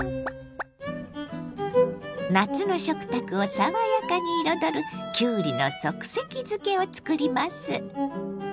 夏の食卓を爽やかに彩るきゅうりの即席漬けを作ります。